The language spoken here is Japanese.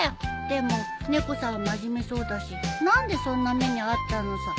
でも猫さんは真面目そうだし何でそんな目に遭ったのさ。